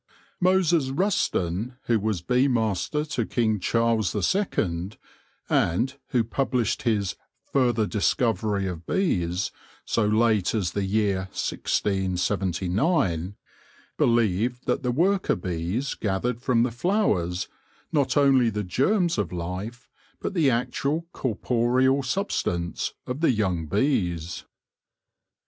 Moses Rusden, who was Bee Master to King Charles the Second, and who published his " Further Dis covery of Bees " so late as the year 1679, believed that the worker bees gathered from the flowers not only the germs of life, but the actual corporeal sub stance, of the young bees.